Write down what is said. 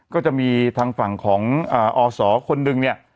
ก็จะมีทางฝั่งของอศคนหนึ่งเนี่ย